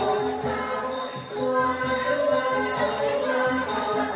การทีลงเพลงสะดวกเพื่อความชุมภูมิของชาวไทย